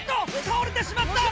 倒れてしまった！